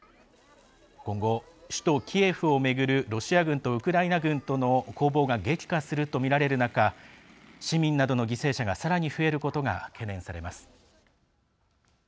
今後、首都キエフを巡るロシア軍とウクライナ軍との攻防が激化するとみられる中市民などの犠牲者がさらに増えることが懸念されます。